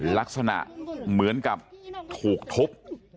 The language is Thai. ลักษณะเหมือนกับถูกทุบ